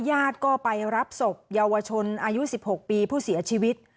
ญาติก็ไปรับศพเยาวชนอายุ๑๖ปีผู้เสียชีวิต